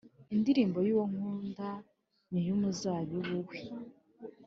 indirimbo y’uwo nkunda n’iy’umuzabibu we.